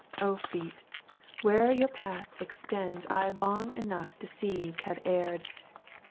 feet, where'er your path extends 1 long enough deceived have erred.